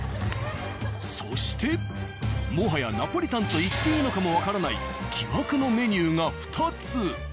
そしてもはやナポリタンと言っていいのかもわからない疑惑のメニューが２つ。